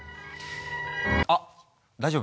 あっ大丈夫？